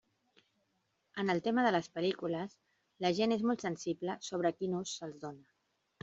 En el tema de les pel·lícules, la gent és molt sensible sobre quin ús se'ls dóna.